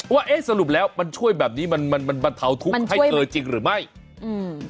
ว่าเอ๊ะสรุปแล้วมันช่วยแบบนี้มันมันบรรเทาทุกข์ให้เธอจริงหรือไม่อืม